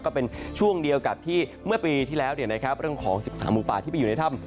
ก็เป็นช่วงเดียวกับที่เมื่อปีที่แล้วเรื่องของ๑๓หมูป่าที่ไปอยู่ในถ้ำ